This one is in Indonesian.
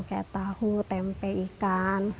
kayak tahu tempe ikan